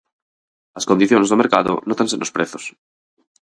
As condicións do mercado nótanse nos prezos.